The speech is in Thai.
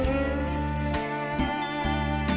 ข้างฝา